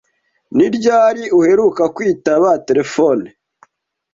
Ni ryari uheruka kwitaba terefone?